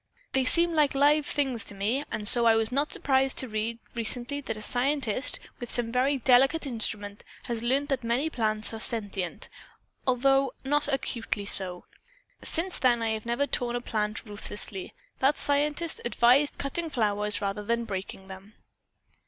"They seem like live things to me, and so I was not surprised to read recently that a scientist, with some very delicate instrument, has learned that many plants are sentient, though not acutely so. Since then I have never torn a plant ruthlessly. That scientist advised cutting flowers rather than breaking them."